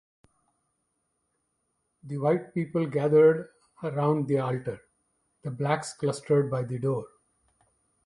The white people gathered round the altar, the blacks clustered by the door.